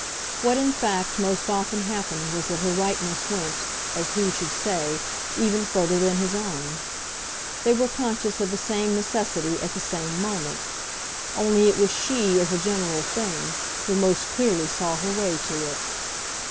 What in fact most often happened was that her rightness went, as who should say, even further than his own; they were conscious of the same necessity at the same moment, only it was she, as a general thing, who most clearly saw her way to it.